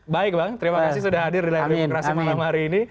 baik bang terima kasih sudah hadir di layar demokrasi malam hari ini